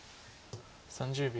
３０秒。